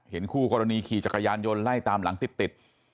คู่กรณีขี่จักรยานยนต์ไล่ตามหลังติด